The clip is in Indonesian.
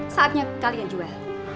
saatnya kalian jual